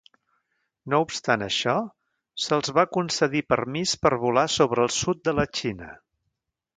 No obstant això, se'ls va concedir permís per volar sobre el sud de la Xina.